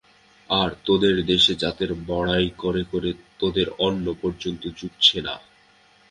আর তোদের দেশে জাতের বড়াই করে করে তোদের অন্ন পর্যন্ত জুটছে না।